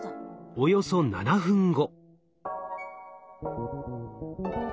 およそ７分後。